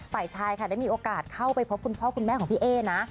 ฝ่ายชายค่ะได้มีโอกาสเข้าไปพบคุณพ่อคุณแม่ของพี่เอ๊นะ